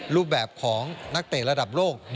รูปแบบของนักเตะระดับโลก